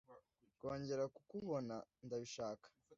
kongera kukubona ndabishaka